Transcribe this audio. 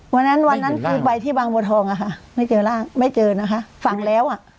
วันนั้นวันนั้นคือไปที่บางบัวทองอะค่ะไม่เจอร่างไม่เจอนะคะฟังแล้วอ่ะ